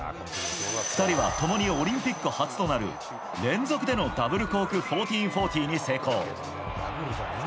２人は共にオリンピック初となる連続でのダブルコーク１４４０に成功。